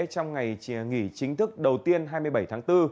trong ngày nghỉ chính thức đầu tiên hai mươi bảy tháng bốn